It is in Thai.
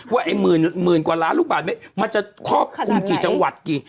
ก็ไอ้หมื่นกว่าล้านลูกบาทมันจะควบคุมกี่จังหวัด